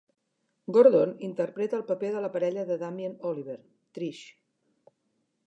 Gordon interpreta el paper de la parella de Damien Oliver, Trish.